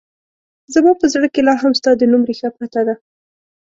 زما په زړه کې لا هم ستا د نوم رېښه پرته ده